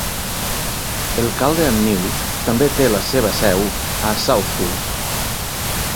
El "Chaldean News" també té la seva seu a Southfield.